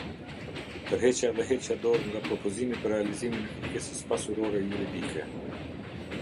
Tërheqja dhe heqja dorë nga propozimi për realizimin e kërkesës pasurore juridike.